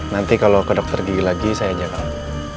nanti kalau ke dokter gigi lagi saya ajak lagi